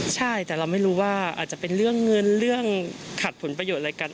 ใช่แต่เราไม่รู้ว่าอาจจะเป็นเรื่องเงินเรื่องขัดผลประโยชน์อะไรกัน